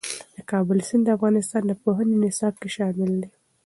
د کابل سیند د افغانستان د پوهنې نصاب کې شامل دي.